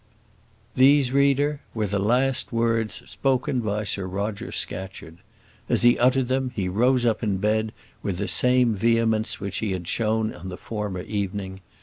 These, reader, were the last words spoken by Sir Roger Scatcherd. As he uttered them he rose up in bed with the same vehemence which he had shown on the former evening.